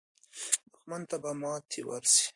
دښمن ته به ماته ورسي.